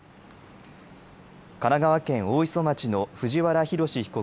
神奈川県大磯町の藤原宏被告